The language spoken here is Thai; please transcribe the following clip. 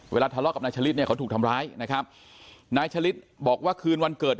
ทะเลาะกับนายชะลิดเนี่ยเขาถูกทำร้ายนะครับนายชะลิดบอกว่าคืนวันเกิด